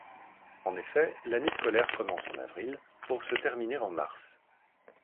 En effet, l'année scolaire commence en avril pour se terminer en mars.